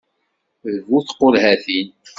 D bu tqulhatin!